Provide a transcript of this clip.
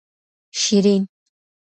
شېرین